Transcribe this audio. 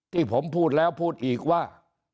ที่ผมพูดแล้วพูดอีกว่า